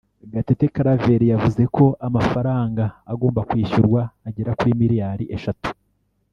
Gatete Claver yavuze ko amafaranga agomba kwishyurwa agera kuri miliyari eshatu